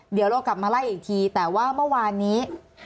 เดี๋ยวเรากลับมาไล่อีกทีแต่ว่าเมื่อวานนี้